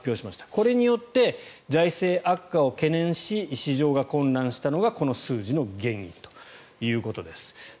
これによって財政悪化を懸念し市場が混乱したのがこの数字の原因ということです。